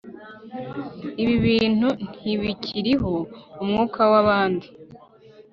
Ibi bintu ntibikiriho umwuka wabandi